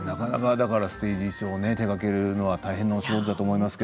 ステージ衣装を手がけるのは大変な仕事だと思います。